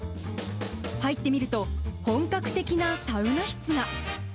入ってみると、本格的なサウナ室が。